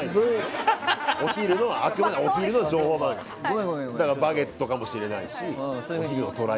あくまでお昼の情報番組「バゲット」かもしれないし。